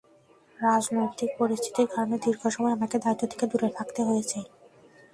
রাজনৈতিক পরিস্থিতির কারণে দীর্ঘ সময় আমাকে দায়িত্ব থেকে দূরে থাকতে হয়েছে।